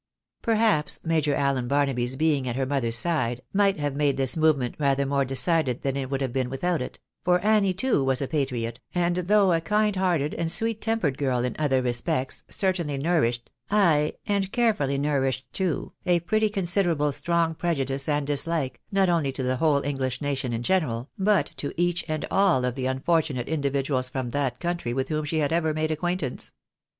Perhaps^ Major Allen Barnaby's being at lifer mother's side, might have made this movement rather more decided than it would have been without it ; for Annie, too, was a patriot, and though a kind hearted and sweet tempered girl in other respects, certainly nourished, ay, and carefully nourished, too, a pretty considerable strong prejudice and dishke, not only to the whole English nation in general, but to each and all of the unfortunate individuals from that country with whom she had ever made acquaintance.